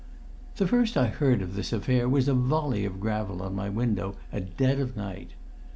The first I heard of this affair was a volley of gravel on my window at dead of night.